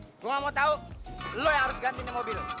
gue nggak mau tau lo yang harus ganti mobil